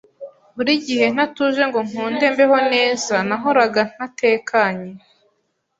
buri gihe ntatuje ngo nkunde mbeho neza nahoraga ntatekanye